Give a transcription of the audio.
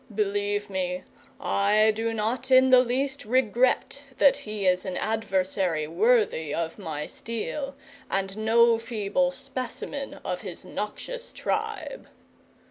Believe me, I do not in the least regret that he is an adversary worthy of my steel, and no feeble specimen of his noxious tribe."